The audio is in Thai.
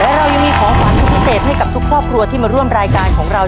และเรายังมีของขวัญสุดพิเศษให้กับทุกครอบครัวที่มาร่วมรายการของเรา